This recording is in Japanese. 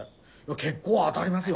結構当だりますよ。